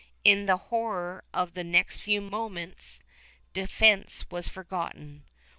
In the horror of the next few moments, defense was forgotten.